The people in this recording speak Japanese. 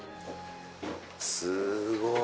すごい！